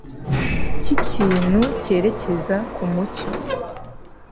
cy'ikintu cyerekeza ku mucyo.